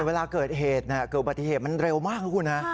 เวลาเกิดเหตุเกิดปฏิเหตุมันเร็วมากครับคุณฮะ